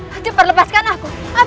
yang tersebut cartridges